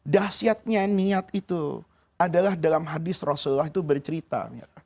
dahsyatnya niat itu adalah dalam hadis rasulullah itu bercerita